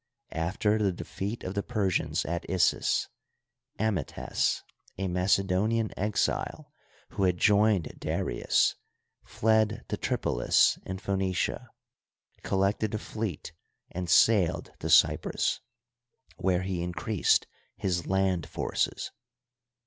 After the defeat of the Persians at Issus, Amytas, a Macedonian exile, who had joined Darius, fled to Tripolis in Phoenicia, collected a fleet and sailed to Cyprus, where he increased his land forces.